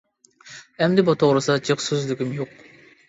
ئەمدى بۇ توغرىسىدا جىق سۆزلىگۈم يوق.